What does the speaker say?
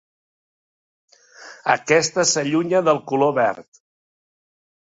Aquesta s'allunya del color verd.